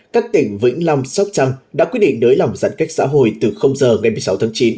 các tỉnh vĩnh long sóc trăng đã quyết định nới lỏng giãn cách xã hội từ giờ ngày một mươi sáu tháng chín